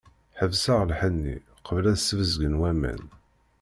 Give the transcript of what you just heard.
Ḥebseɣ lḥenni, qbel ad t-sbezgen waman.